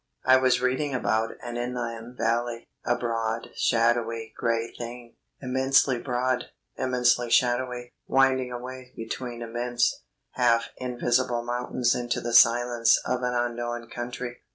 I was reading about an inland valley, a broad, shadowy, grey thing; immensely broad, immensely shadowy, winding away between immense, half invisible mountains into the silence of an unknown country.